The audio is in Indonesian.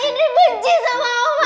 edri benci sama oma